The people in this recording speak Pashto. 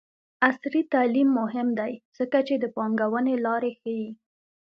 عصري تعلیم مهم دی ځکه چې د پانګونې لارې ښيي.